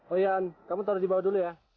oh iya kamu taruh di bawah dulu ya